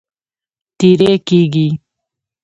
تېری کیږي.